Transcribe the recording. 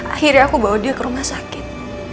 akhirnya aku bawa dia ke rumah sakit